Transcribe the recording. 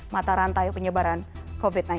mata rantai penyebaran covid sembilan belas